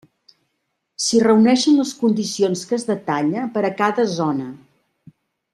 Si reuneixen les condicions que es detalla per a cada zona.